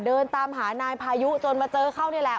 เดินตามหานายพายุจนมาเจอเขานี่แหละ